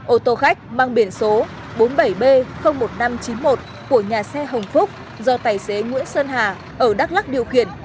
ô tô khách mang biển số bốn mươi bảy b một nghìn năm trăm chín mươi một của nhà xe hồng phúc do tài xế nguyễn sơn hà ở đắk lắc điều khiển